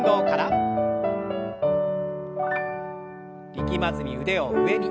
力まずに腕を上に。